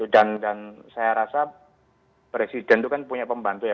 dan saya rasa presiden itu kan punya pembantu ya